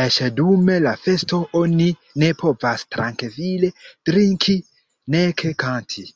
Eĉ dum la festo oni ne povas trankvile drinki, nek kanti.